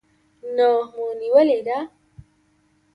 نوه مو نیولې ده.